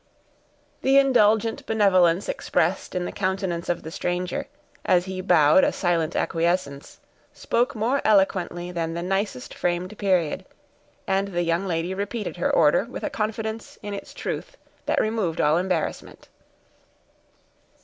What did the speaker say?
The indulgent benevolence expressed in the countenance of the stranger, as he bowed a silent acquiescence, spoke more eloquently than the nicest framed period, and the young lady repeated her order, with a confidence in its truth that removed all embarrassment.